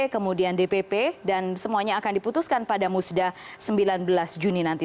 kemudian dpp dan semuanya akan diputuskan pada musda sembilan belas juni nanti